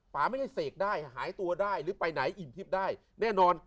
ป่าไม่ได้เสกได้หายตัวได้หรือไปไหนอิ่มทิพย์ได้แน่นอน